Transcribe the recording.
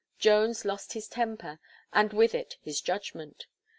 Jones lost his temper, and with it his judgment.